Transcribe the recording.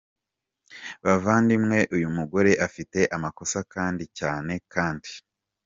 Bavandimwe ,uyu umugore Afite amakosa Kandi Cyane, Kandi n.